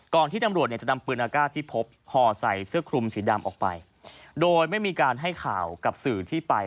ที่ตำรวจเนี่ยจะนำปืนอากาศที่พบห่อใส่เสื้อคลุมสีดำออกไปโดยไม่มีการให้ข่าวกับสื่อที่ไป